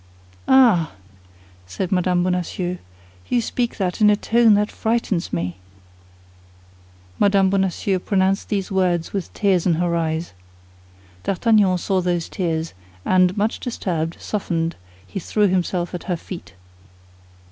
"Ah," said Mme. Bonacieux, "you speak that in a tone that frightens me!" Mme. Bonacieux pronounced these words with tears in her eyes. D'Artagnan saw those tears, and much disturbed, softened, he threw himself at her feet.